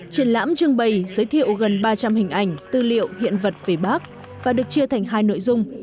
triển lãm trưng bày giới thiệu gần ba trăm linh hình ảnh tư liệu hiện vật về bác và được chia thành hai nội dung